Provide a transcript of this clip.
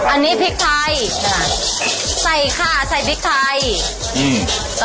อันนี้พริกไทยค่ะใส่ค่ะใส่พริกไทยอืม